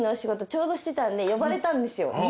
ちょうどしてたんで呼ばれたんですよ。